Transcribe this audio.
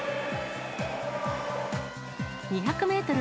２００メートル